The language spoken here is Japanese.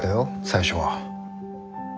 最初は。